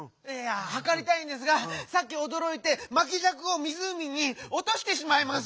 はかりたいんですがさっきおどろいてまきじゃくをみずうみに「おとしてしまいます」。